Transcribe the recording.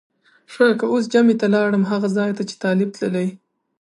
ښه که اوس جمعه ته لاړم هغه ځای ته چې طالب تللی.